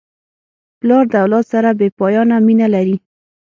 پلار د اولاد سره بېپایانه مینه لري.